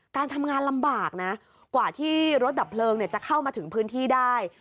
การทำงานลำบากนะกว่าที่รถดับเพลิงจะเข้ามาถึงพื้นที่ได้